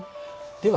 では